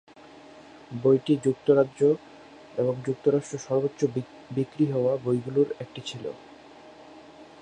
বইটি যুক্তরাজ্য এবং যুক্তরাষ্ট্রে সর্বোচ্চ বিক্রি হওয়া বইগুলোর একটি ছিল।